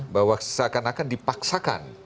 bahwa seakan akan dipaksakan